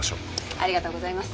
ありがとうございます。